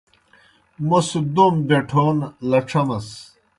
موْس دوم بَیٹَھون لڇھمَس۔